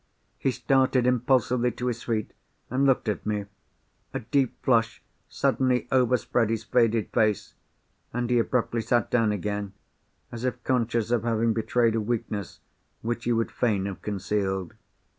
He started impulsively to his feet, and looked at me. A deep flush suddenly overspread his faded face, and he abruptly sat down again, as if conscious of having betrayed a weakness which he would fain have concealed.